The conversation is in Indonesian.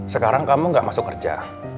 sekarang kamu gak masuk kerja